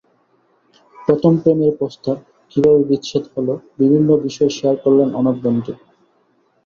প্রথম প্রেমের প্রস্তাব, কীভাবে বিচ্ছেদ হলো বিভিন্ন বিষয় শেয়ার করলেন অনেক বন্ধু।